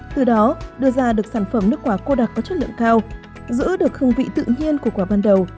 từ đó đưa ra được sản phẩm nước quả cô đặc có chất lượng cao giữ được hương vị tự nhiên của quả ban đầu